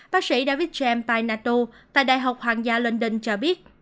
bác sĩ david j painato tại đại học hoàng gia london cho biết